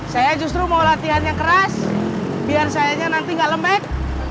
saya justru mau latihannya keras biar sayanya nanti nggak lembek